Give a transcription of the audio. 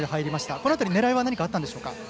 この辺りに狙いは何かあったんでしょうか？